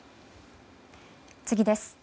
次です。